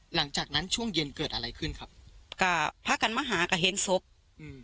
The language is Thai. หลังจากนั้นช่วงเย็นเกิดอะไรขึ้นครับก็พระกันมหากระเฮนศพอืม